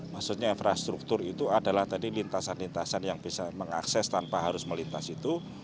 maksudnya infrastruktur itu adalah tadi lintasan lintasan yang bisa mengakses tanpa harus melintas itu